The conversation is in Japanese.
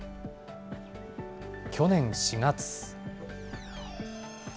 去年４月。